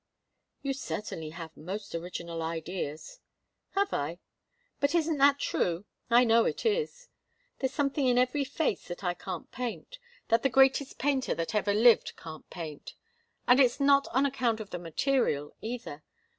"You certainly have most original ideas." "Have I? But isn't that true? I know it is. There's something in every face that I can't paint that the greatest painter that ever lived can't paint. And it's not on account of the material, either.